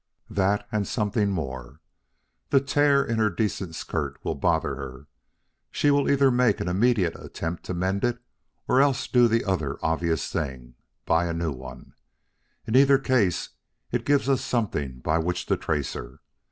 "That and something more. That tear in her decent skirt will bother her. She will either make an immediate attempt to mend it, or else do the other obvious thing buy a new one. In either case it gives us something by which to trace her.